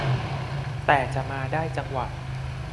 แต่จะมาได้จังหวะ